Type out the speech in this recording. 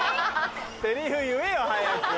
セリフ言えよ早く。